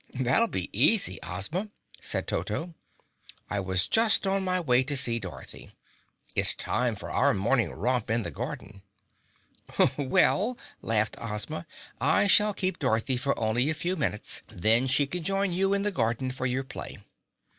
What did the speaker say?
"That'll be easy, Ozma," said Toto, "I was just on my way to see Dorothy. It's time for our morning romp in the garden." "Well," laughed Ozma, "I shall keep Dorothy for only a few minutes, then she can join you in the garden for your play."